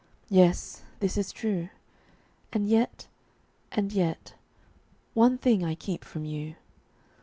Yes, this is true. And yet, and yet one thing I keep from you.